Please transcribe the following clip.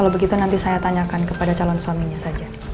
kalau begitu nanti saya tanyakan kepada calon suaminya saja